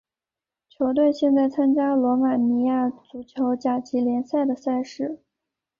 球队现在参加罗马尼亚足球甲级联赛的赛事。